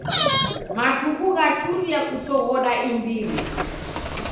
Matuku ghachuria kusoghoda imbiri.